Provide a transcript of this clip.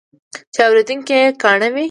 چې اورېدونکي یې کاڼه وي.